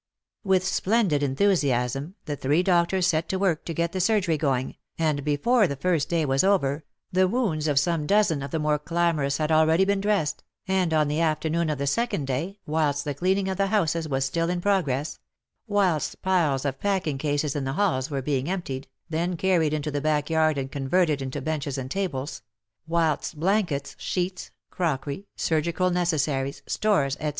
With splendid enthusiasm the three doctors set to work to get the surgery going, and before the first day was over, the wounds of some dozen of the more clamorous had already been dressed, and on the afternoon of the second day, whilst the cleaning of the houses was still in progress — whilst piles of packing cases in the halls were being emptied, then carried into the backyard and converted into benches and tables — whilst blankets, sheets, crockery, surgical necessaries, stores, etc.